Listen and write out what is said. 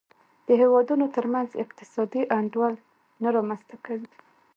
د هېوادونو ترمنځ اقتصادي انډول نه رامنځته کوي.